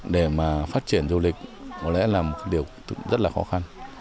để mà phát triển du lịch có lẽ là một điều rất là khó khăn